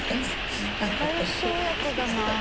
仲良し親子だな。